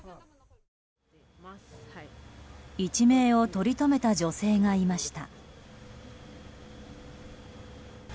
一命をとりとめた女性がいました。